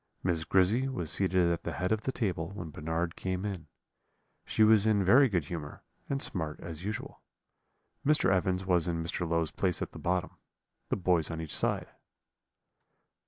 Miss Grizzy was seated at the head of the table when Bernard came in; she was in very good humour, and smart as usual. Mr. Evans was in Mr. Low's place at the bottom; the boys on each side.